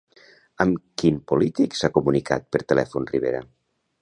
Amb quin polític s'ha comunicat per telèfon Rivera?